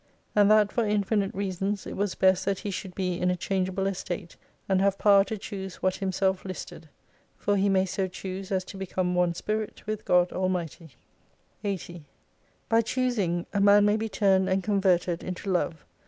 And that for infinite reasons it was best that he should be in a changeable estate, and have power to choose what himself listed : For he may so choose as to become one Spirit with God Almighty. 80 By choosing a man may be turned and converted into Love.